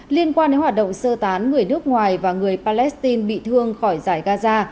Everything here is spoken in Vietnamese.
liên quan đến hoạt động sơ tán người nước ngoài và người palestine bị thương khỏi giải gaza